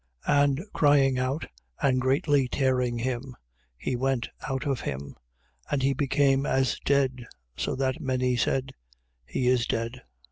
9:25. And crying out and greatly tearing him, he went our of him. And he became as dead, so that many said: He is dead.